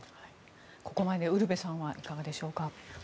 ここまでウルヴェさんはいかがでしょうか。